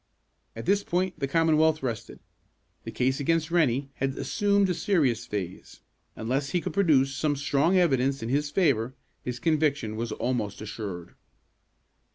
At this point the Commonwealth rested. The case against Rennie had assumed a serious phase. Unless he could produce some strong evidence in his favor, his conviction was almost assured.